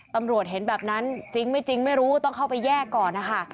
ตำรวจเห็นแบบนั้นจริงไม่จริงไม่รู้ต้องเข้าไปแยกก่อนนะคะ